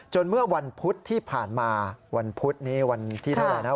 เมื่อวันพุธที่ผ่านมาวันพุธนี้วันที่เท่าไหร่นะ